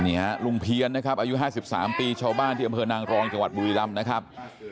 นี่ฮะลุงเพียนนะครับอายุ๕๓ปีชาวบ้านที่อำเภอนางรองจังหวัดบุรีรำนะครับ